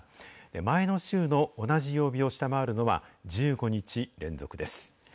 前の週の同じ曜日を下回るのは、１５日連続です。